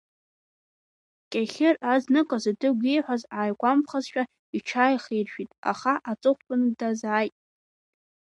Кьахьыр азныказы, Дыгә ииҳәаз ааигәамԥхазшәа, иҽааихаиршәит, аха аҵыхәтәаны дазааит.